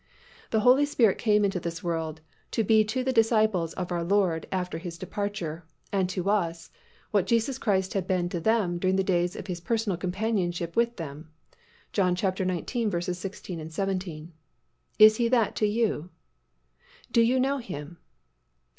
The Holy Spirit came into this world to be to the disciples of our Lord after His departure, and to us, what Jesus Christ had been to them during the days of His personal companionship with them (John xiv. 16, 17). Is He that to you? Do you know Him?